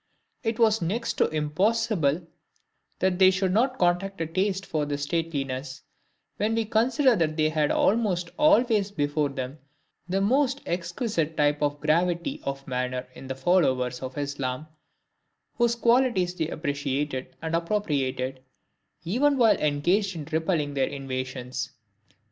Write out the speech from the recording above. It was next to impossible that they should not contract a taste for this stateliness, when we consider that they had almost always before them the most exquisite type of gravity of manner in the followers of Islam, whose qualities they appreciated and appropriated, even while engaged in repelling their invasions.